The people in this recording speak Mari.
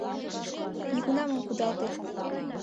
Нигунамат ом кудалте...